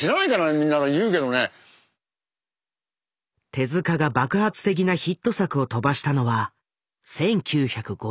手が爆発的なヒット作を飛ばしたのは１９５０年代。